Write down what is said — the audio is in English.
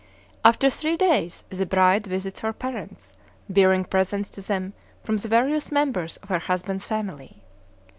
After three days the bride visits her parents, bearing presents to them from the various members of her husband's family.